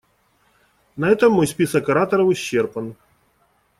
На этом мой список ораторов исчерпан.